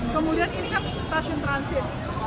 kemudian ini kan stasiun transit